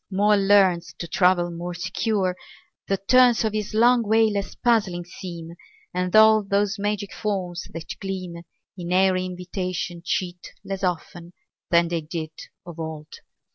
Mole learns To travel more secure ; the turns Of his long way less puzzling seem And all those magic forms that gleam In airy invitation cheat Less often than they did of old.